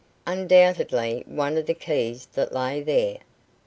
Undoubtedly one of the keys that lay there.